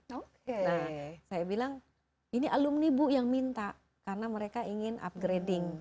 nah saya bilang ini alumni bu yang minta karena mereka ingin upgrading